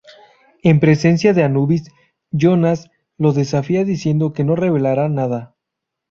En presencia de Anubis, Jonas lo desafía diciendo que no revelara nada.